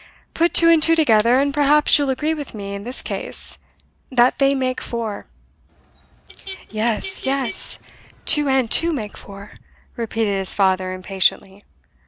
Put two and two together; and perhaps you'll agree with me, in this case, that they make four." "Yes, yes; two and two make four," repeated his father, impatiently.